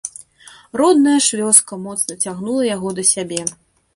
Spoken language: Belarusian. Родная ж вёска моцна цягнула яго да сябе.